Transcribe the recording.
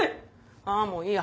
あもういいや。